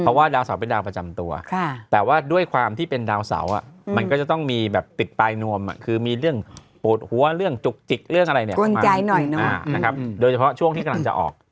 เพราะว่าดาวเสาเป็นดาวประจำตัวแต่ว่าด้วยความที่เป็นดาวเสามันก็จะต้องมีแบบติดปลายนวมคือมีเรื่องปวดหัวเรื่องจุกจิกเรื่องอะไรเนี่ยนะครับโดยเฉพาะช่วงที่กำลังจะออก